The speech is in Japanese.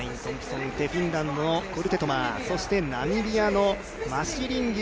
フィンランドのコルテトマーナミビアのマシリンギ。